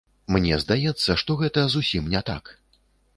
Мне здаецца, што гэта зусім не так.